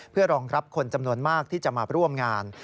เพื่อรองรับคนจำนวนมากที่จะมาร่วมงาน